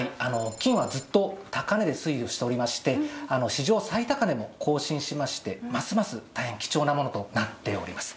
金はずっと高値で推移をしておりまして史上最高値も更新しましてますます大変貴重なものとなっております。